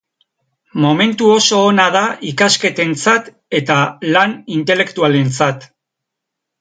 Momentu oso ona da ikasketentzat eta lan intelektualentzat.